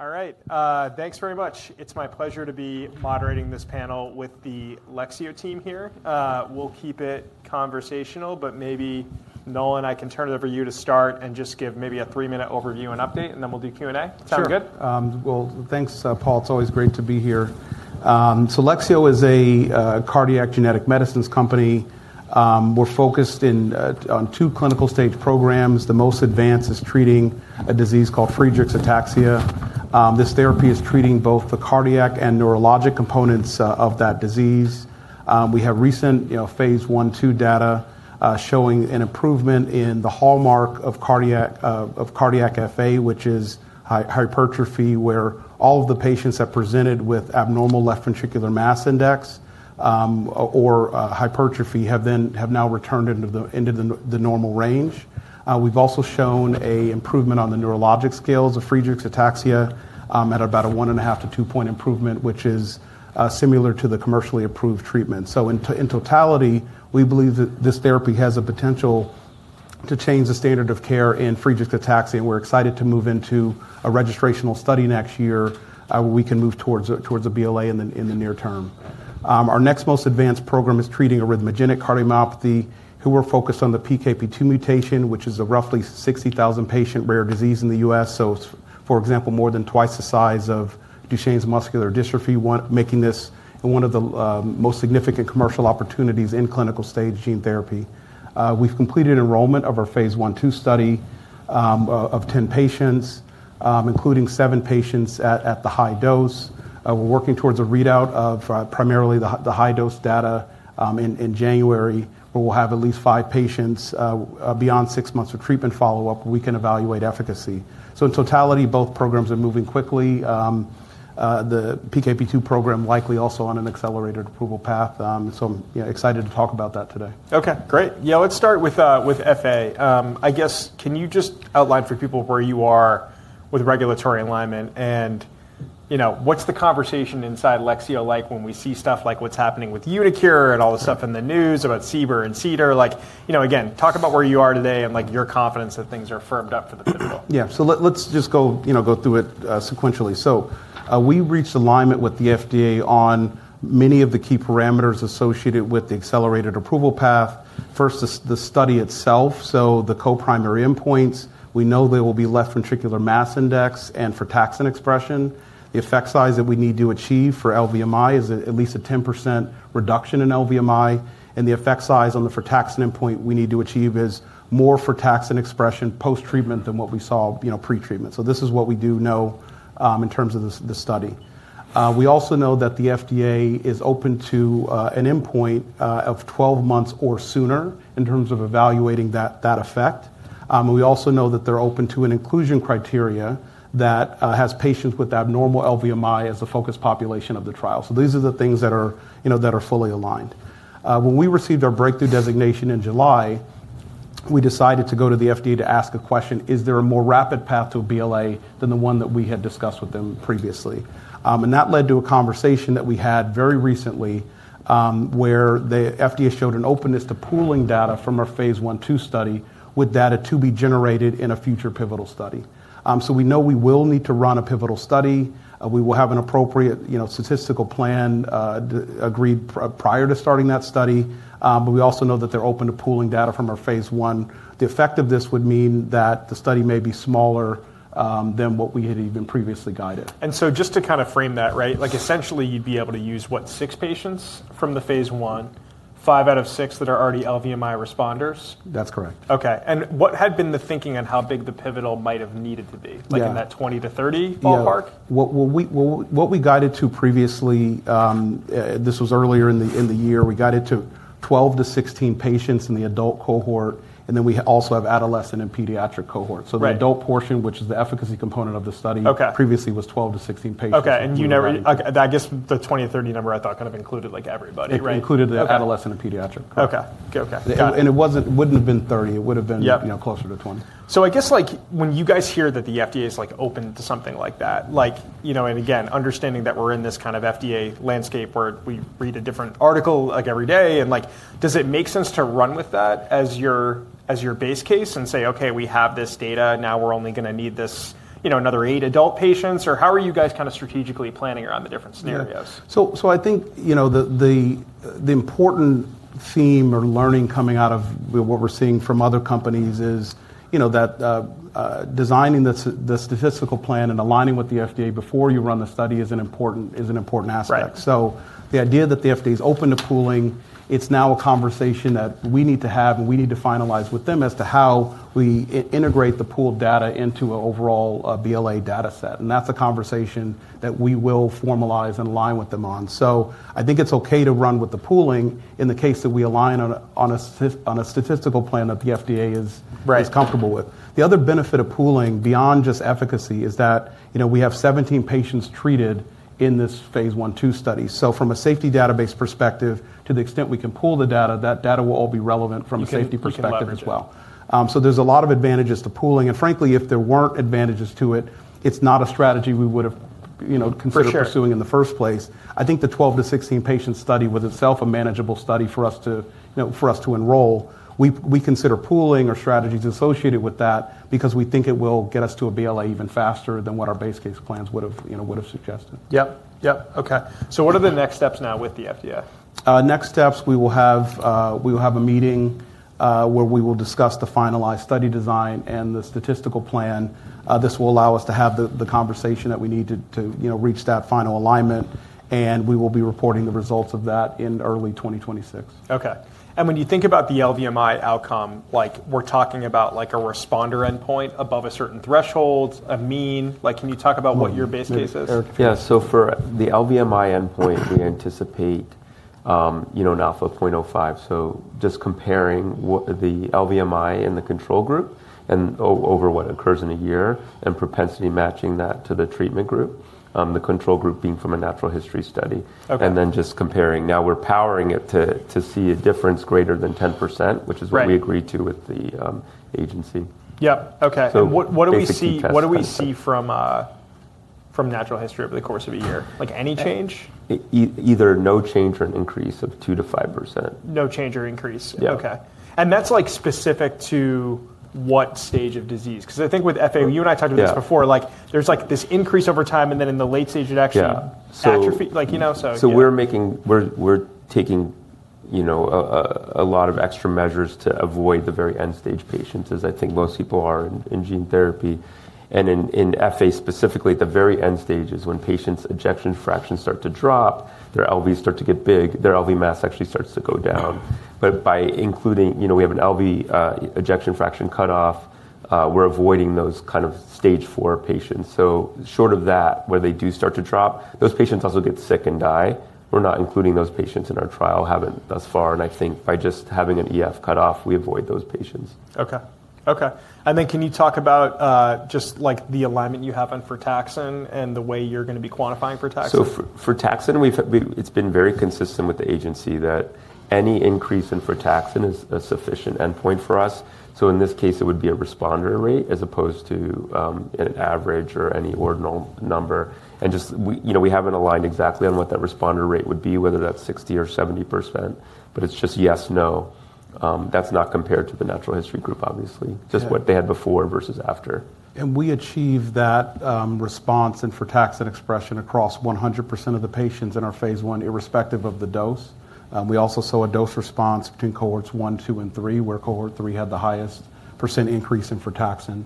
All right. Thanks very much. It's my pleasure to be moderating this panel with the Lexeo team here. We'll keep it conversational, but maybe Nolan, I can turn it over to you to start and just give maybe a three-minute overview and update, and then we'll do Q&A. Sound good? Sure. Thank you, Paul. It's always great to be here. Lexeo is a cardiac genetic medicines company. We're focused on two clinical-stage programs. The most advanced is treating a disease called Friedreich's ataxia. This therapy is treating both the cardiac and neurologic components of that disease. We have recent phase I/II data showing an improvement in the hallmark of cardiac FA, which is hypertrophy, where all of the patients that presented with abnormal left ventricular mass index or hypertrophy have now returned into the normal range. We've also shown an improvement on the neurologic scales of Friedreich's ataxia at about a 1.5-2 point improvement, which is similar to the commercially approved treatment. In totality, we believe that this therapy has the potential to change the standard of care in Friedreich's ataxia, and we're excited to move into a registrational study next year where we can move towards a BLA in the near term. Our next most advanced program is treating arrhythmogenic cardiomyopathy, where we are focused on the PKP2 mutation, which is a roughly 60,000 patient rare disease in the U.S. For example, more than twice the size of Duchenne's muscular dystrophy, making this one of the most significant commercial opportunities in clinical stage gene therapy. We've completed enrollment of our phase one two study of 10 patients, including seven patients at the high dose. We're working towards a readout of primarily the high dose data in January, where we'll have at least five patients beyond six months of treatment follow-up, and we can evaluate efficacy. In totality, both programs are moving quickly. The PKP2 program likely also on an accelerated approval path. I'm excited to talk about that today. OK, great. Yeah, let's start with FA. I guess, can you just outline for people where you are with regulatory alignment? What's the conversation inside Lexeo like when we see stuff like what's happening with uniQure and all the stuff in the news about CBER and CDER? Again, talk about where you are today and your confidence that things are firmed up for the pivotal. Yeah, so let's just go through it sequentially. We reached alignment with the FDA on many of the key parameters associated with the accelerated approval path. First, the study itself, so the co-primary endpoints. We know there will be left ventricular mass index and frataxin expression. The effect size that we need to achieve for LVMI is at least a 10% reduction in LVMI. The effect size on the frataxin endpoint we need to achieve is more frataxin expression post-treatment than what we saw pre-treatment. This is what we do know in terms of the study. We also know that the FDA is open to an endpoint of 12 months or sooner in terms of evaluating that effect. We also know that they're open to an inclusion criteria that has patients with abnormal LVMI as the focus population of the trial. These are the things that are fully aligned. When we received our breakthrough designation in July, we decided to go to the FDA to ask a question, is there a more rapid path to a BLA than the one that we had discussed with them previously? That led to a conversation that we had very recently where the FDA showed an openness to pooling data from our phase I/II study with data to be generated in a future pivotal study. We know we will need to run a pivotal study. We will have an appropriate statistical plan agreed prior to starting that study. We also know that they're open to pooling data from our phase I. The effect of this would mean that the study may be smaller than what we had even previously guided. Just to kind of frame that, right, essentially you'd be able to use, what, six patients from the phase one, five out of six that are already LVMI responders? That's correct. OK. What had been the thinking on how big the pivotal might have needed to be, like in that 20-30 ballpark? Yeah. What we guided to previously, this was earlier in the year, we guided to 12-16 patients in the adult cohort. And then we also have adolescent and pediatric cohort. So the adult portion, which is the efficacy component of the study, previously was 12-16 patients. OK. You never, I guess the 20-30 number I thought kind of included like everybody, right? It included the adolescent and pediatric. OK. It would not have been 30. It would have been closer to 20. I guess when you guys hear that the FDA is open to something like that, and again, understanding that we're in this kind of FDA landscape where we read a different article every day, does it make sense to run with that as your base case and say, OK, we have this data. Now we're only going to need another eight adult patients? Or how are you guys kind of strategically planning around the different scenarios? I think the important theme or learning coming out of what we're seeing from other companies is that designing the statistical plan and aligning with the FDA before you run the study is an important aspect. The idea that the FDA is open to pooling, it's now a conversation that we need to have and we need to finalize with them as to how we integrate the pooled data into an overall BLA data set. That's a conversation that we will formalize and align with them on. I think it's OK to run with the pooling in the case that we align on a statistical plan that the FDA is comfortable with. The other benefit of pooling beyond just efficacy is that we have 17 patients treated in this phase I/II study. From a safety database perspective, to the extent we can pool the data, that data will all be relevant from a safety perspective as well. There are a lot of advantages to pooling. Frankly, if there were not advantages to it, it is not a strategy we would have considered pursuing in the first place. I think the 12-16 patient study was itself a manageable study for us to enroll. We consider pooling or strategies associated with that because we think it will get us to a BLA even faster than what our base case plans would have suggested. Yep. Yep. OK. What are the next steps now with the FDA? Next steps, we will have a meeting where we will discuss the finalized study design and the statistical plan. This will allow us to have the conversation that we need to reach that final alignment. We will be reporting the results of that in early 2026. OK. When you think about the LVMI outcome, we're talking about a responder endpoint above a certain threshold, a mean? Can you talk about what your base case is? Yeah. For the LVMI endpoint, we anticipate now for 0.05. Just comparing the LVMI and the control group over what occurs in a year and propensity matching that to the treatment group, the control group being from a natural history study, and then just comparing. Now we're powering it to see a difference greater than 10%, which is what we agreed to with the agency. Yep. OK. What do we see from natural history over the course of a year? Any change? Either no change or an increase of 2%-5%. No change or increase. OK. And that's specific to what stage of disease? Because I think with FA, you and I talked about this before, there's this increase over time, and then in the late stage, it actually atrophies. We're taking a lot of extra measures to avoid the very end stage patients, as I think most people are in gene therapy. In FA specifically, the very end stage is when patients' ejection fractions start to drop, their LVs start to get big, their LV mass actually starts to go down. By including, we have an LV ejection fraction cutoff, we're avoiding those kind of stage four patients. Short of that, where they do start to drop, those patients also get sick and die. We're not including those patients in our trial, haven't thus far. I think by just having an EF cutoff, we avoid those patients. OK. OK. Can you talk about just the alignment you have on frataxin and the way you're going to be quantifying frataxin? For frataxin, it's been very consistent with the agency that any increase in frataxin is a sufficient endpoint for us. In this case, it would be a responder rate as opposed to an average or any ordinal number. We have not aligned exactly on what that responder rate would be, whether that is 60% or 70%. It is just yes, no. That is not compared to the natural history group, obviously, just what they had before versus after. We achieve that response in frataxin expression across 100% of the patients in our phase I, irrespective of the dose. We also saw a dose response between cohorts one, two, and three, where cohort three had the highest % increase in frataxin.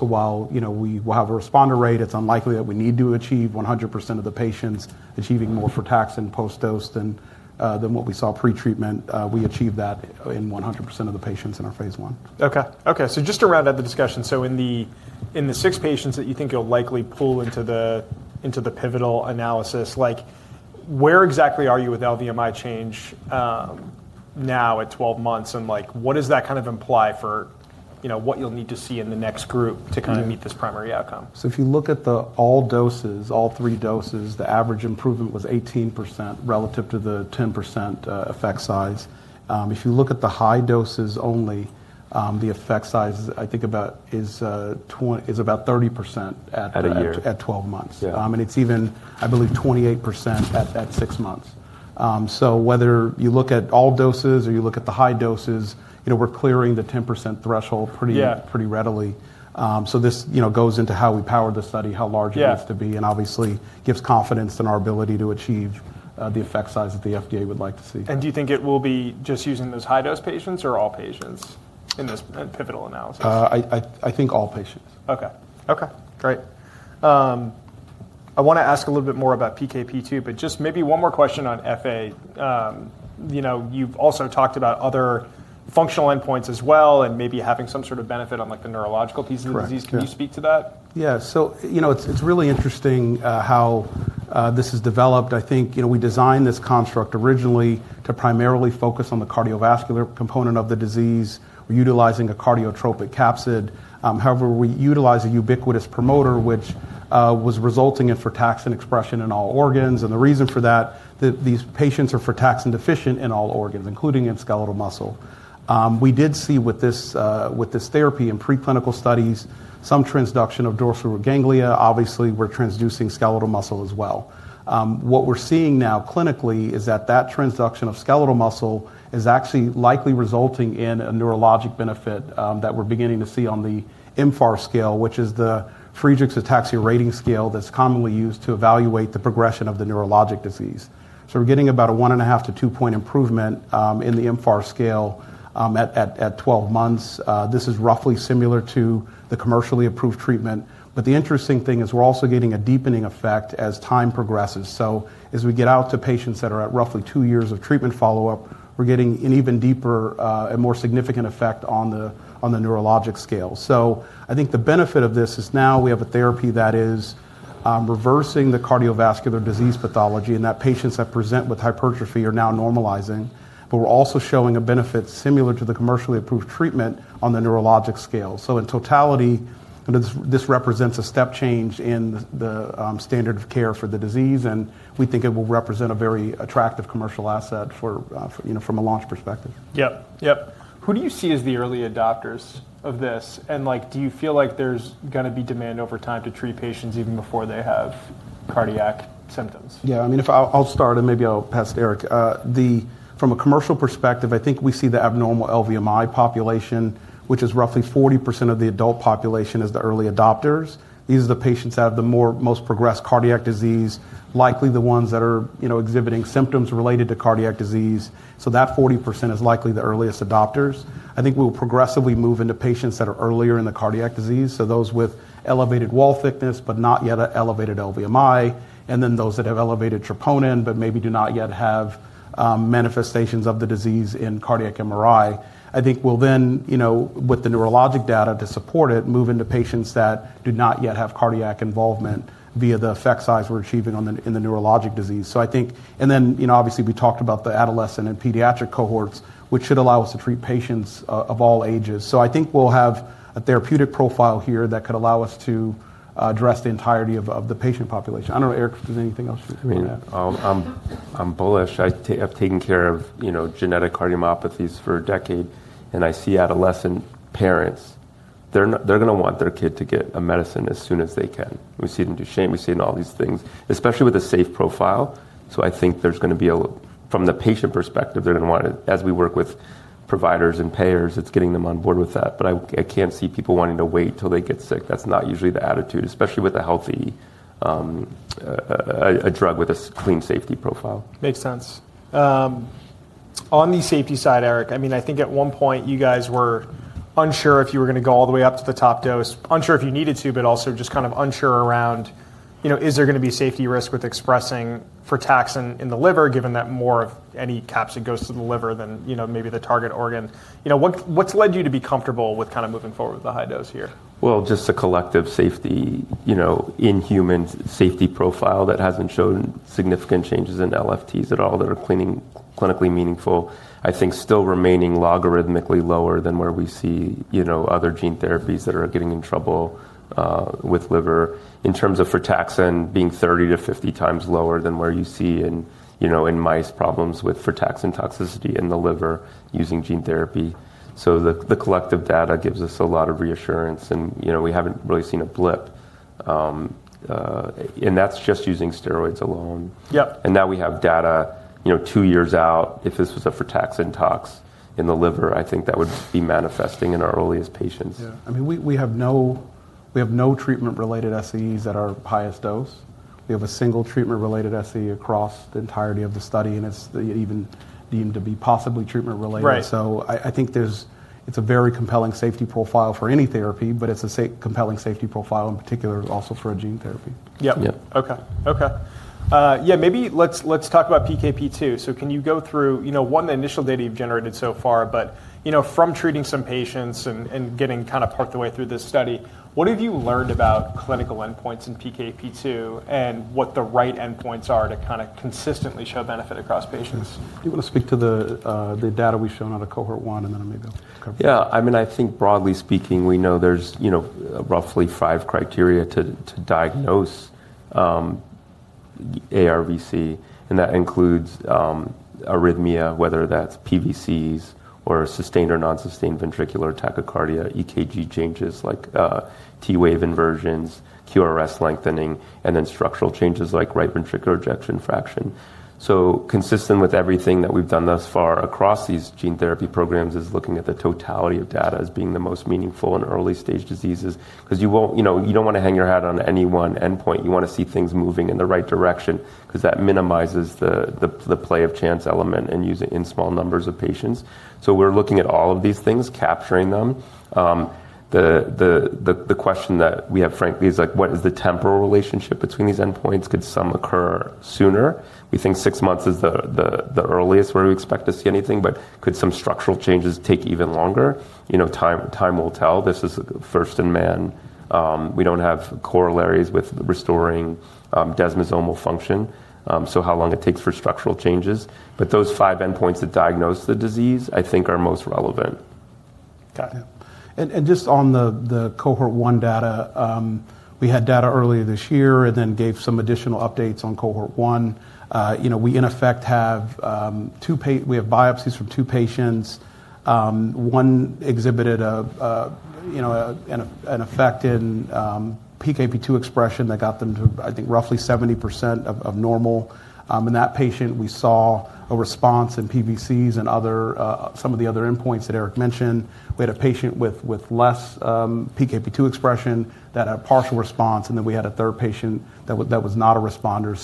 While we will have a responder rate, it's unlikely that we need to achieve 100% of the patients achieving more frataxin post-dose than what we saw pre-treatment. We achieved that in 100% of the patients in our phase I. OK. OK. Just to round out the discussion, in the six patients that you think you'll likely pull into the pivotal analysis, where exactly are you with LVMI change now at 12 months? What does that kind of imply for what you'll need to see in the next group to kind of meet this primary outcome? If you look at all doses, all three doses, the average improvement was 18% relative to the 10% effect size. If you look at the high doses only, the effect size, I think, is about 30% at 12 months. It is even, I believe, 28% at six months. Whether you look at all doses or you look at the high doses, we are clearing the 10% threshold pretty readily. This goes into how we power the study, how large it needs to be, and obviously gives confidence in our ability to achieve the effect size that the FDA would like to see. Do you think it will be just using those high dose patients or all patients in this pivotal analysis? I think all patients. OK. OK, great. I want to ask a little bit more about PKP2, but just maybe one more question on FA. You've also talked about other functional endpoints as well and maybe having some sort of benefit on the neurological piece of the disease. Can you speak to that? Yeah. So it's really interesting how this has developed. I think we designed this construct originally to primarily focus on the cardiovascular component of the disease, utilizing a cardiotropic capsid. However, we utilize a ubiquitous promoter, which was resulting in frataxin expression in all organs. And the reason for that, these patients are frataxin-deficient in all organs, including in skeletal muscle. We did see with this therapy in preclinical studies some transduction of dorsal ganglia. Obviously, we're transducing skeletal muscle as well. What we're seeing now clinically is that that transduction of skeletal muscle is actually likely resulting in a neurologic benefit that we're beginning to see on the mFARS scale, which is the Friedreich's Ataxia Rating Scale that's commonly used to evaluate the progression of the neurologic disease. So we're getting about a 1.5-2 point improvement in the mFARS scale at 12 months. This is roughly similar to the commercially approved treatment. The interesting thing is we're also getting a deepening effect as time progresses. As we get out to patients that are at roughly two years of treatment follow-up, we're getting an even deeper and more significant effect on the neurologic scale. I think the benefit of this is now we have a therapy that is reversing the cardiovascular disease pathology, and patients that present with hypertrophy are now normalizing. We're also showing a benefit similar to the commercially approved treatment on the neurologic scale. In totality, this represents a step change in the standard of care for the disease. We think it will represent a very attractive commercial asset from a launch perspective. Yep. Yep. Who do you see as the early adopters of this? And do you feel like there's going to be demand over time to treat patients even before they have cardiac symptoms? Yeah. I mean, I'll start, and maybe I'll pass to Eric. From a commercial perspective, I think we see the abnormal LVMI population, which is roughly 40% of the adult population, as the early adopters. These are the patients that have the most progressed cardiac disease, likely the ones that are exhibiting symptoms related to cardiac disease. So that 40% is likely the earliest adopters. I think we will progressively move into patients that are earlier in the cardiac disease, so those with elevated wall thickness but not yet an elevated LVMI, and then those that have elevated troponin but maybe do not yet have manifestations of the disease in cardiac MRI. I think we'll then, with the neurologic data to support it, move into patients that do not yet have cardiac involvement via the effect size we're achieving in the neurologic disease. Obviously, we talked about the adolescent and pediatric cohorts, which should allow us to treat patients of all ages. I think we'll have a therapeutic profile here that could allow us to address the entirety of the patient population. I don't know, Eric, if there's anything else you want to add. I'm bullish. I've taken care of genetic cardiomyopathies for a decade. I see adolescent parents. They're going to want their kid to get a medicine as soon as they can. We see them do shame. We see them do all these things, especially with a safe profile. I think there's going to be, from the patient perspective, they're going to want it. As we work with providers and payers, it's getting them on board with that. I can't see people wanting to wait until they get sick. That's not usually the attitude, especially with a drug with a clean safety profile. Makes sense. On the safety side, Eric, I mean, I think at one point you guys were unsure if you were going to go all the way up to the top dose, unsure if you needed to, but also just kind of unsure around, is there going to be safety risk with expressing frataxin in the liver, given that more of any capsid goes to the liver than maybe the target organ? What's led you to be comfortable with kind of moving forward with the high dose here? Just the collective safety, inhuman safety profile that hasn't shown significant changes in LFTs at all that are clinically meaningful. I think still remaining logarithmically lower than where we see other gene therapies that are getting in trouble with liver, in terms of frataxin being 30%-50% times lower than where you see in mice problems with frataxin toxicity in the liver using gene therapy. The collective data gives us a lot of reassurance. We haven't really seen a blip. That's just using steroids alone. Now we have data two years out. If this was a frataxin tox in the liver, I think that would be manifesting in our earliest patients. Yeah. I mean, we have no treatment-related SEEs at our highest dose. We have a single treatment-related SEE across the entirety of the study. And it's even deemed to be possibly treatment-related. I think it's a very compelling safety profile for any therapy, but it's a compelling safety profile in particular also for a gene therapy. Yep. OK. OK. Yeah, maybe let's talk about PKP2. Can you go through, one, the initial data you've generated so far, but from treating some patients and getting kind of part of the way through this study, what have you learned about clinical endpoints in PKP2 and what the right endpoints are to kind of consistently show benefit across patients? Do you want to speak to the data we've shown out of cohort one and then I may go. Yeah. I mean, I think broadly speaking, we know there's roughly five criteria to diagnose ARVC. That includes arrhythmia, whether that's PVCs or sustained or nonsustained ventricular tachycardia, EKG changes like T-wave inversions, QRS lengthening, and then structural changes like right ventricular ejection fraction. Consistent with everything that we've done thus far across these gene therapy programs is looking at the totality of data as being the most meaningful in early stage diseases. You don't want to hang your hat on any one endpoint. You want to see things moving in the right direction because that minimizes the play of chance element in small numbers of patients. We're looking at all of these things, capturing them. The question that we have, frankly, is like, what is the temporal relationship between these endpoints? Could some occur sooner? We think six months is the earliest where we expect to see anything. Could some structural changes take even longer? Time will tell. This is first in man. We do not have corollaries with restoring desmosomal function, so how long it takes for structural changes. Those five endpoints that diagnose the disease, I think, are most relevant. Got it. Just on the cohort one data, we had data earlier this year and then gave some additional updates on cohort one. We, in effect, have two biopsies from two patients. One exhibited an effect in PKP2 expression that got them to, I think, roughly 70% of normal. In that patient, we saw a response in PVCs and some of the other endpoints that Eric mentioned. We had a patient with less PKP2 expression that had a partial response. Then we had a third patient that was not a responder.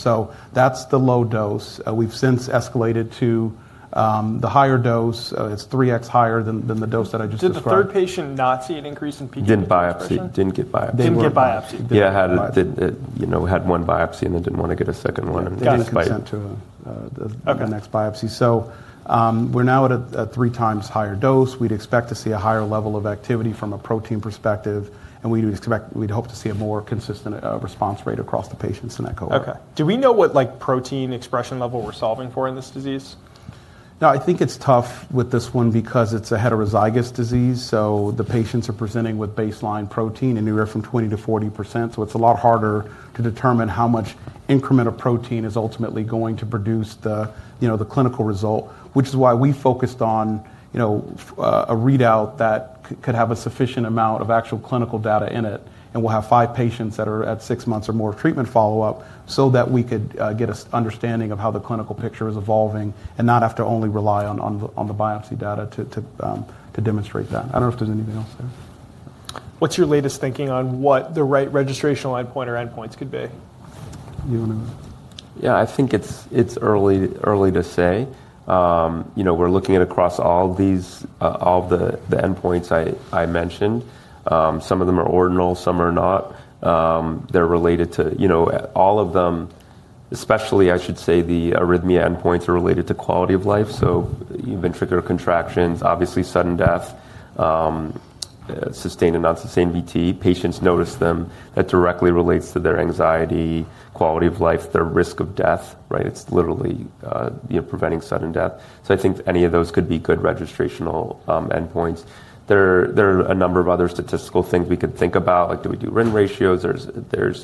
That's the low dose. We've since escalated to the higher dose. It's 3x higher than the dose that I just described. Did the third patient not see an increase in PKP2? Didn't biopsy. Didn't get biopsied. Didn't get biopsied. Yeah, had one biopsy and then didn't want to get a second one. Got it. Got sent to the next biopsy. We're now at a three times higher dose. We'd expect to see a higher level of activity from a protein perspective. We'd hope to see a more consistent response rate across the patients in that cohort. OK. Do we know what protein expression level we're solving for in this disease? Now, I think it's tough with this one because it's a heterozygous disease. The patients are presenting with baseline protein anywhere from 20% to 40%. It's a lot harder to determine how much increment of protein is ultimately going to produce the clinical result, which is why we focused on a readout that could have a sufficient amount of actual clinical data in it. We'll have five patients that are at six months or more of treatment follow-up so that we could get an understanding of how the clinical picture is evolving and not have to only rely on the biopsy data to demonstrate that. I don't know if there's anything else there. What's your latest thinking on what the right registrational endpoint or endpoints could be? Yeah. I think it's early to say. We're looking at across all of the endpoints I mentioned. Some of them are ordinal. Some are not. They're related to all of them, especially, I should say, the arrhythmia endpoints are related to quality of life. So ventricular contractions, obviously sudden death, sustained and nonsustained VT. Patients notice them. That directly relates to their anxiety, quality of life, their risk of death. It's literally preventing sudden death. I think any of those could be good registrational endpoints. There are a number of other statistical things we could think about. Like, do we do RIN ratios? There's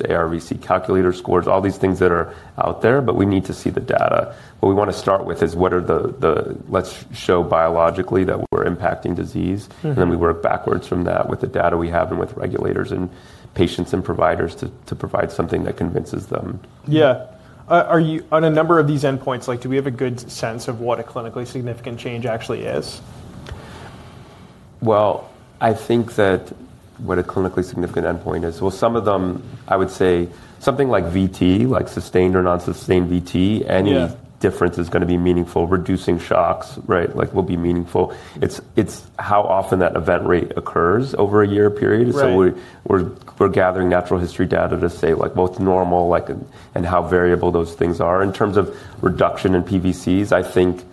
ARVC calculator scores, all these things that are out there. We need to see the data. What we want to start with is what are the let's show biologically that we're impacting disease. We work backwards from that with the data we have and with regulators and patients and providers to provide something that convinces them. Yeah. On a number of these endpoints, do we have a good sense of what a clinically significant change actually is? I think that what a clinically significant endpoint is, some of them, I would say something like VT, like sustained or nonsustained VT, any difference is going to be meaningful. Reducing shocks will be meaningful. It's how often that event rate occurs over a year period. We are gathering natural history data to say what's normal and how variable those things are. In terms of reduction in PVCs, I think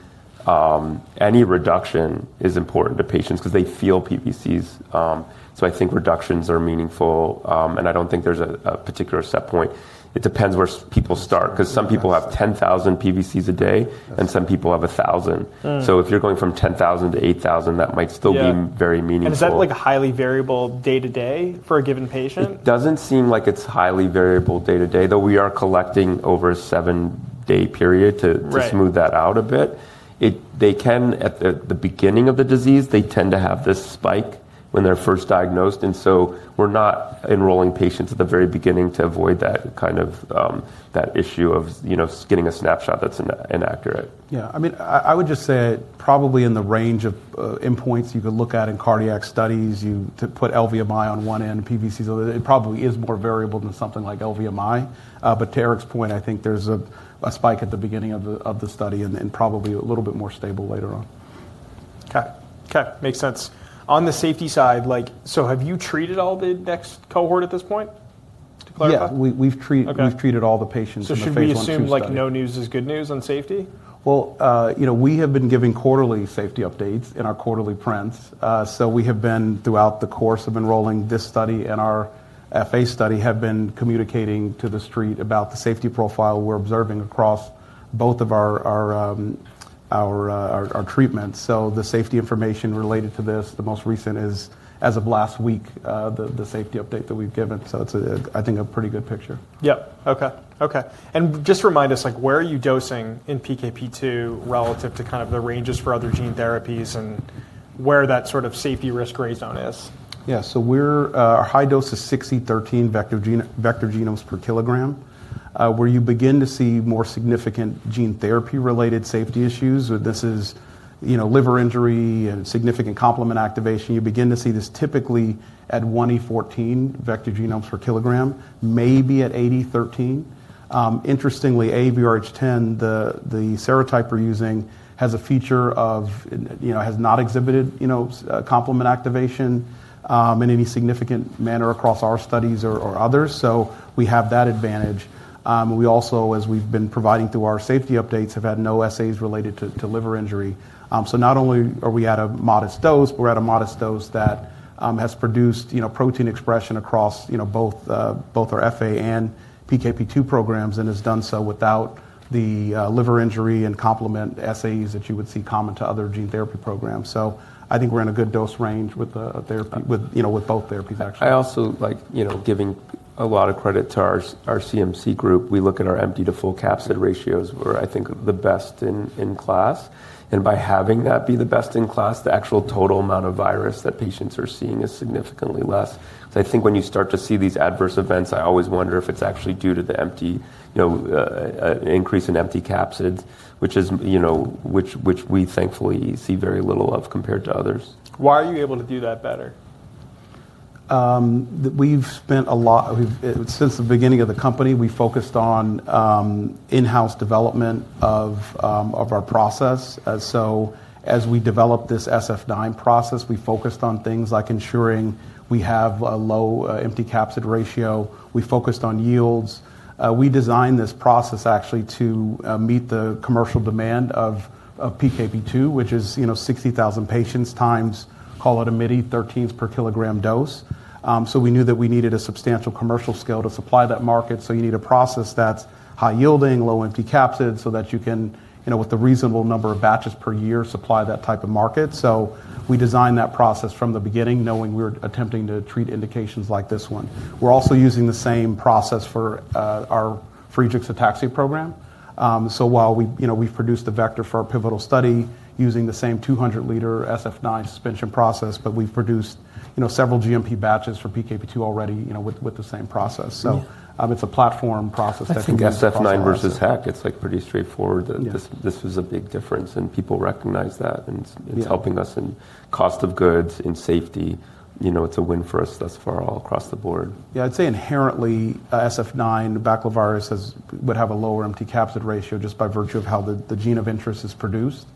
any reduction is important to patients because they feel PVCs. I think reductions are meaningful. I don't think there's a particular set point. It depends where people start. Some people have 10,000 PVCs a day, and some people have 1,000. If you're going from 10,000 to 8,000, that might still be very meaningful. Is that like a highly variable day to day for a given patient? It doesn't seem like it's highly variable day to day. Though we are collecting over a seven-day period to smooth that out a bit. They can, at the beginning of the disease, they tend to have this spike when they're first diagnosed. We are not enrolling patients at the very beginning to avoid that issue of getting a snapshot that's inaccurate. Yeah. I mean, I would just say probably in the range of endpoints you could look at in cardiac studies, you put LVMI on one end, PVCs on the other. It probably is more variable than something like LVMI. To Eric's point, I think there's a spike at the beginning of the study and probably a little bit more stable later on. OK. OK. Makes sense. On the safety side, have you treated all the next cohort at this point to clarify? Yeah. We've treated all the patients in phase I/II study. Should we assume no news is good news on safety? We have been giving quarterly safety updates in our quarterly prints. We have been, throughout the course of enrolling this study and our FA study, communicating to the street about the safety profile we're observing across both of our treatments. The safety information related to this, the most recent is, as of last week, the safety update that we've given. I think it's a pretty good picture. Yep. OK. OK. Just remind us, where are you dosing in PKP2 relative to kind of the ranges for other gene therapies and where that sort of safety risk gray zone is? Yeah. Our high dose is 6e13 vector genomes per kilogram. Where you begin to see more significant gene therapy-related safety issues, this is liver injury and significant complement activation, you begin to see this typically at 1e14 vector genomes per kilogram, maybe at 8e13. Interestingly, AAVrh10, the serotype we're using, has a feature of has not exhibited complement activation in any significant manner across our studies or others. We have that advantage. We also, as we've been providing through our safety updates, have had no assays related to liver injury. Not only are we at a modest dose, but we're at a modest dose that has produced protein expression across both our FA and PKP2 programs and has done so without the liver injury and complement assays that you would see common to other gene therapy programs. I think we're in a good dose range with both therapies, actually. I also like giving a lot of credit to our CMC group. We look at our empty to full capsid ratios. We're, I think, the best in class. By having that be the best in class, the actual total amount of virus that patients are seeing is significantly less. I think when you start to see these adverse events, I always wonder if it's actually due to the increase in empty capsids, which we thankfully see very little of compared to others. Why are you able to do that better? We've spent a lot since the beginning of the company, we focused on in-house development of our process. As we developed this SF9 process, we focused on things like ensuring we have a low empty capsid ratio. We focused on yields. We designed this process, actually, to meet the commercial demand of PKP2, which is 60,000 patients times, call it a mid-13th per kilogram dose. We knew that we needed a substantial commercial scale to supply that market. You need a process that's high yielding, low empty capsid so that you can, with a reasonable number of batches per year, supply that type of market. We designed that process from the beginning, knowing we were attempting to treat indications like this one. We're also using the same process for our Friedreich's ataxia program. While we've produced the vector for our pivotal study using the same 200-liter SF9 suspension process, we've produced several GMP batches for PKP2 already with the same process. It's a platform process that can be excellent. I think SF9 versus HAC, it's like pretty straightforward. This was a big difference. People recognize that. It's helping us in cost of goods, in safety. It's a win for us thus far all across the board. Yeah. I'd say inherently, SF9, the baculovirus, would have a lower empty capsid ratio just by virtue of how the gene of interest is produced.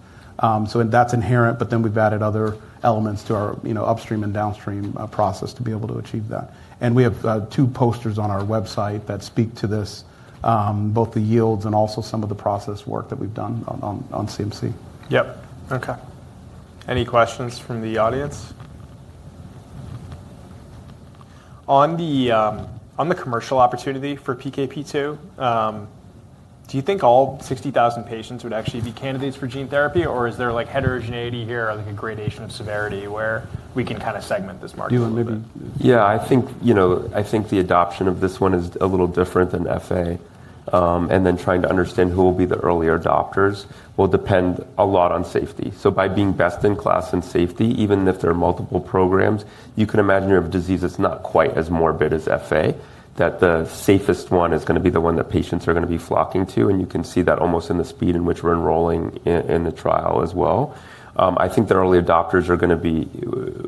That is inherent. We have added other elements to our upstream and downstream process to be able to achieve that. We have two posters on our website that speak to this, both the yields and also some of the process work that we have done on CMC. Yep. OK. Any questions from the audience? On the commercial opportunity for PKP2, do you think all 60,000 patients would actually be candidates for gene therapy? Or is there like heterogeneity here or like a gradation of severity where we can kind of segment this market? Yeah. I think the adoption of this one is a little different than FA. Trying to understand who will be the earlier adopters will depend a lot on safety. By being best in class in safety, even if there are multiple programs, you can imagine you have a disease that's not quite as morbid as FA, that the safest one is going to be the one that patients are going to be flocking to. You can see that almost in the speed in which we're enrolling in the trial as well. I think the early adopters are going to be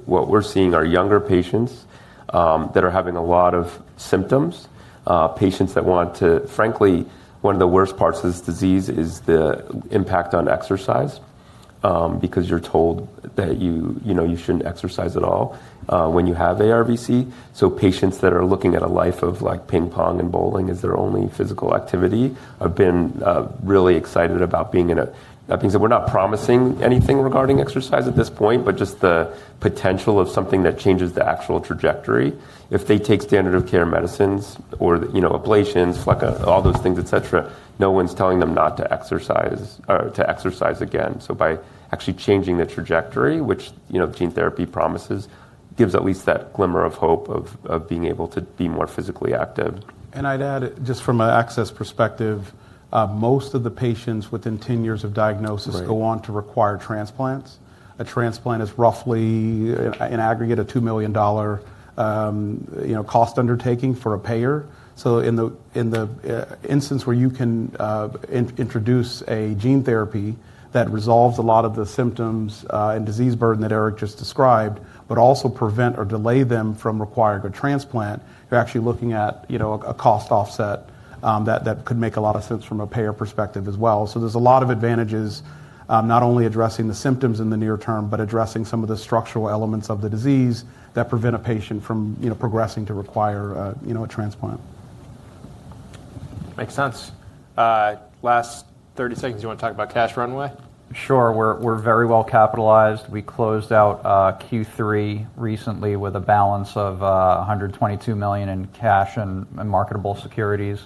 what we're seeing are younger patients that are having a lot of symptoms, patients that want to, frankly, one of the worst parts of this disease is the impact on exercise because you're told that you shouldn't exercise at all when you have ARVC. Patients that are looking at a life of ping pong and bowling as their only physical activity have been really excited about being in a, that being said, we're not promising anything regarding exercise at this point, but just the potential of something that changes the actual trajectory. If they take standard of care medicines or ablations, all those things, et cetera, no one's telling them not to exercise or to exercise again. By actually changing the trajectory, which gene therapy promises, it gives at least that glimmer of hope of being able to be more physically active. I'd add, just from an access perspective, most of the patients within 10 years of diagnosis go on to require transplants. A transplant is roughly, in aggregate, a $2 million cost undertaking for a payer. In the instance where you can introduce a gene therapy that resolves a lot of the symptoms and disease burden that Eric just described, but also prevent or delay them from requiring a transplant, you're actually looking at a cost offset that could make a lot of sense from a payer perspective as well. There are a lot of advantages, not only addressing the symptoms in the near term, but addressing some of the structural elements of the disease that prevent a patient from progressing to require a transplant. Makes sense. Last 30 seconds, you want to talk about cash runway? Sure. We're very well capitalized. We closed out Q3 recently with a balance of $122 million in cash and marketable securities.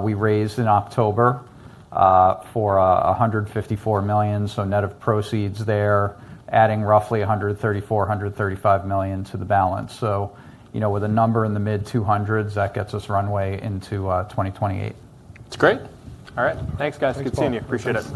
We raised in October for $154 million. Net of proceeds there, adding roughly $134million-$135 million to the balance. With a number in the mid-200s, that gets us runway into 2028. That's great. All right. Thanks, guys. Good seeing you. Appreciate it.